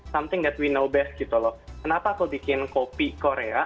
something that we know best gitu loh kenapa aku bikin kopi korea